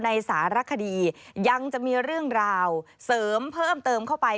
สารคดียังจะมีเรื่องราวเสริมเพิ่มเติมเข้าไป